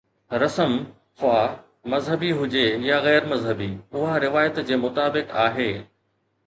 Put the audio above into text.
رسم، خواه مذهبي هجي يا غير مذهبي، اها روايت جي مطابق آهي.